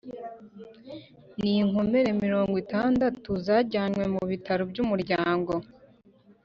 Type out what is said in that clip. n'inkomere mirogwitadatu zajyanywe mu bitaro by'umuryango